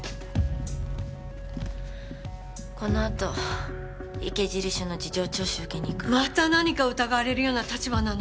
このあと池尻署の事情聴取受けに行くまた何か疑われるような立場なの？